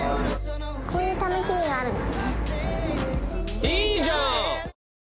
こういう楽しみがあるんだね